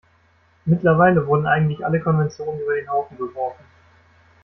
Mittlerweile wurden eigentlich alle Konventionen über den Haufen geworfen.